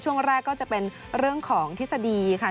ช่วงแรกก็จะเป็นเรื่องของทฤษฎีค่ะ